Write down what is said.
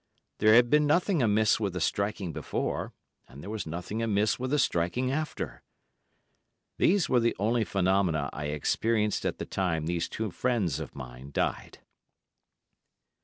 There had been nothing amiss with the striking before, and there was nothing amiss with the striking after. These were the only phenomena I experienced at the time these two friends of mine died.